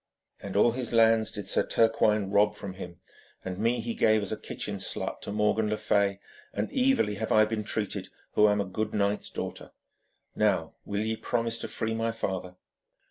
And all his lands did Sir Turquine rob from him, and me he gave as a kitchen slut to Morgan le Fay, and evilly have I been treated who am a good knight's daughter. Now, will ye promise to free my father?'